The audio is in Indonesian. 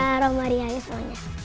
sama romaria aja semuanya